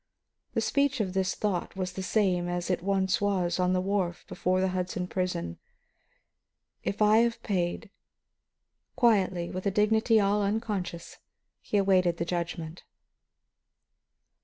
The speech of his thought was the same as it once was on the wharf before the Hudson prison: "If I have paid " Quietly, with a dignity all unconscious, he awaited the judgment.